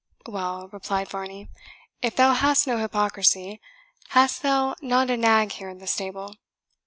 "Well," replied Varney, "if thou hast no hypocrisy, hast thou not a nag here in the stable?"